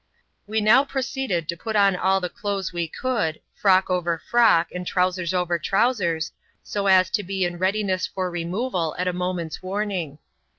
We now proceeded to put on all the clothes we could — frock over frock, and trowsers over trowsers — so as to b^ va. t^svjKl* ness for removal at a moment's warning.